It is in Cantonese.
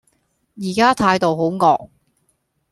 而家態度好惡